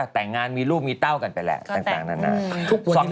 ๑๖๑๗๑๘แต่งงานมีรูปมีเต้ากันไปแหละต่างนาน